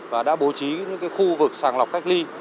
và đã bố trí những khu vực sàng lọc cách ly